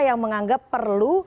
yang menganggap perlu